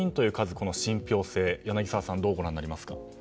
この信ぴょう性柳澤さんはどうご覧になりますか。